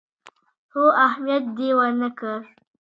خو اهميت دې ورنه کړ.